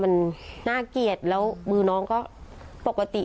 มันน่าเกลียดแล้วมือน้องก็ปกติ